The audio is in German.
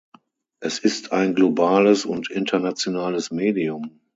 Es ist ein globales und internationales Medium.